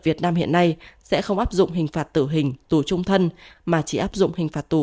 việt nam hiện nay sẽ không áp dụng hình phạt tử hình tù trung thân mà chỉ áp dụng hình phạt tù